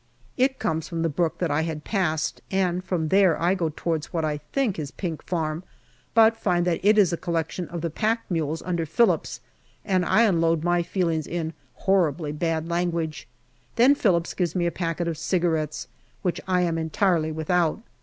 It comes from the brook that I had passed, and from there I go towards what I think is Pink Farm, but find that it is a collection of the pack mules under Phillips, and I unload my feelings in horribly bad language. Then Phillips gives me a packet of cigarettes, which I am entirely without.